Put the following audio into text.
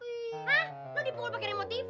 hah lo dipukul pakai remote tv